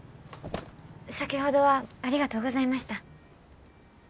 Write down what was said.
先ほどはありがとうございました。え？